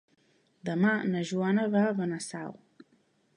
Demà na Joana va a Benasau.